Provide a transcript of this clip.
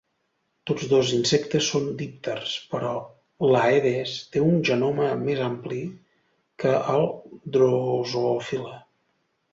Tots dos insectes són dípters, però l'"Aedes" té un genoma més ampli que el "Drosophila".